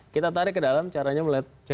kita tarik ke dalam caranya melihat tax amnesty